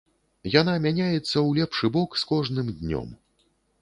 Яна мяняецца ў лепшы бок з кожным днём.